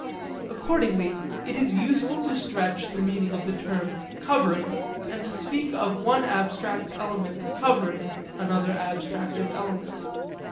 Accordingly it is useful to stretch the meaning of the term 'covering,' and to speak of one abstractive element 'covering' another abstractive element.